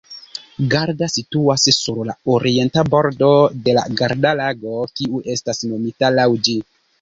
Garda situas sur la orienta bordo de la Garda-Lago, kiu estas nomita laŭ ĝi.